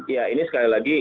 ya ini sekali lagi